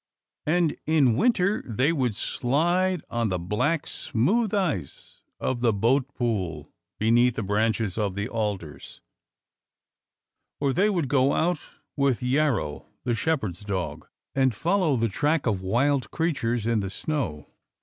And in winter they would slide on the black, smooth ice of the boat pool, beneath the branches of the alders. Or they would go out with Yarrow, the shepherd's dog, and follow the track of wild creatures in the snow.